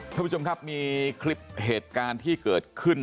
ท่านผู้ชมครับมีคลิปเหตุการณ์ที่เกิดขึ้น